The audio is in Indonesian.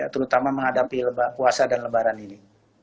terutama menghadapi puasa dan lebaran ini